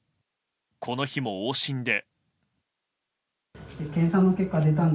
この日も往診で。